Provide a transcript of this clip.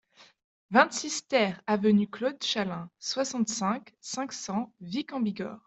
vingt-six TER avenue Claude Chalin, soixante-cinq, cinq cents, Vic-en-Bigorre